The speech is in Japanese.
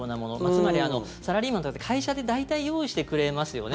つまり、サラリーマンとかって会社で大体、用意してくれますよね